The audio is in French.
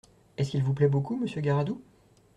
Est-ce qu’il vous plaît beaucoup, Monsieur Garadoux ?